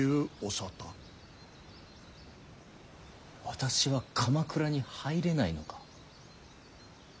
私は鎌倉に入れないのか。